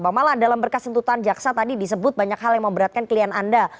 bang mala dalam berkas tuntutan jaksa tadi disebut banyak hal yang memberatkan klien anda